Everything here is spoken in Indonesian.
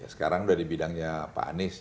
sekarang udah di bidangnya pak anies